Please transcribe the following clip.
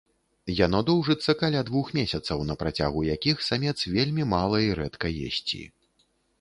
Яно доўжыцца каля двух месяцаў, на працягу якіх самец вельмі мала і рэдка есці.